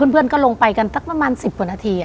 เพื่อนก็ลงไปกันสักประมาณ๑๐กว่านาที